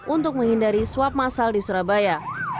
untuk menghindari swab masal di surabaya